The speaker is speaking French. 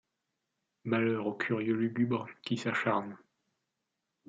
Malheur au curieux lugubre, — qui s’acharne